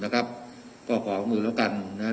ก็ขอขอบคุณคุณแล้วกัน